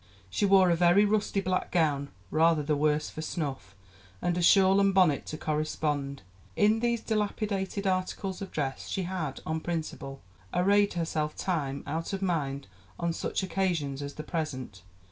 She wore a very rusty black gown, rather the worse for snuff, and a shawl and bonnet to correspond. In these dilapidated articles of dress she had, on principle, arrayed herself, time out of mind on such occasions as the present